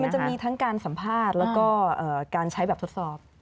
มันจะมีทั้งการสัมภาษณ์แล้วก็การใช้แบบทดสอบ